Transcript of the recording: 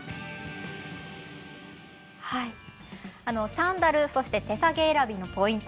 サンダル、そして手提げ選びのポイント